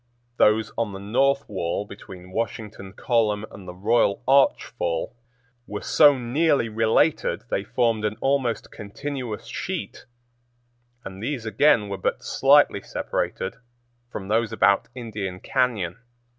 Those on the north wall between Washington Column and the Royal Arch Fall were so nearly related they formed an almost continuous sheet, and these again were but slightly separated from those about Indian Cañon.